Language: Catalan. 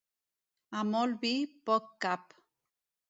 a molt vi, poc cap